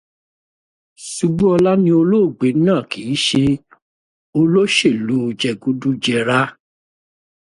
Ṣubúọlá ní olóògbé náà kìí ṣe olóṣèlú jẹgúdú-jẹrá.